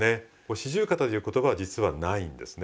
四十肩という言葉は実はないんですね。